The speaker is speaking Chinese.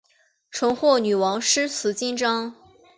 曾获女王诗词金章。